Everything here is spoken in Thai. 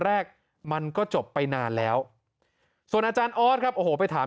แรกมันก็จบไปนานแล้วส่วนอาจารย์ออสครับโอ้โหไปถาม